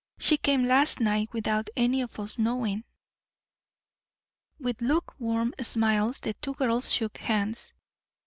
She came last night without any of us knowing." With lukewarm smiles the two girls shook hands.